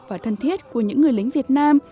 và thân thiết của những người lính việt nam